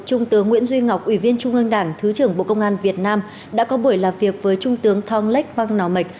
trung tướng nguyễn duy ngọc ủy viên trung ương đảng thứ trưởng bộ công an việt nam đã có buổi làm việc với trung tướng thong lech hoang nào mệch